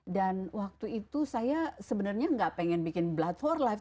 dan waktu itu saya sebenarnya gak pengen bikin blood for life